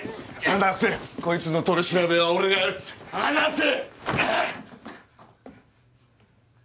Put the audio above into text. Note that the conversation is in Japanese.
離せっこいつの取り調べは俺がやる離せ！